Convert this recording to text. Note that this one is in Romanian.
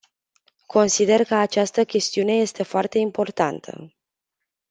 Consider că această chestiune este foarte importantă.